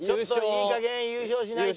いい加減優勝しないと。